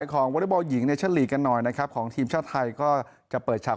วอเล็กบอลหญิงเนชั่นลีกกันหน่อยนะครับของทีมชาติไทยก็จะเปิดฉาก